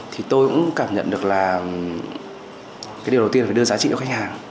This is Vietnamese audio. thì tôi cũng cảm nhận được là cái điều đầu tiên phải đưa giá trị cho khách hàng